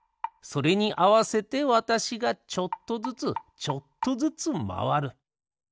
それにあわせてわたしがちょっとずつちょっとずつまわる。